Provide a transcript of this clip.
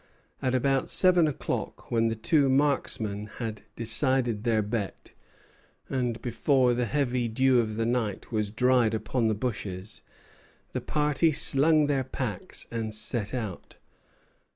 At about seven o'clock, when the two marksmen had decided their bet, and before the heavy dew of the night was dried upon the bushes, the party slung their packs and set out.